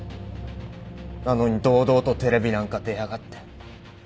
なのに堂々とテレビなんか出やがって。